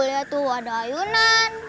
lihat tuh ada ayunan